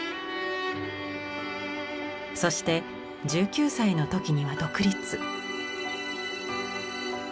そして１９歳の時には独立。